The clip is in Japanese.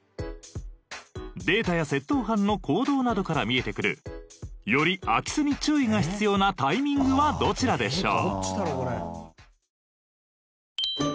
データや窃盗犯の行動などから見えてくるより空き巣に注意が必要なタイミングはどちらでしょう？